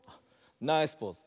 ナイスポーズ。